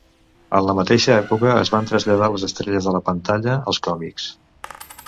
En la mateixa època, es van traslladar les estrelles de la pantalla als còmics.